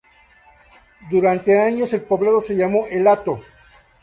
Durante años el poblado se llamó "El Hato".